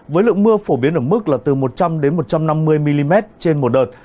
với lượng mưa phổ biến ở mức là từ một trăm linh một trăm năm mươi mm trên một đợt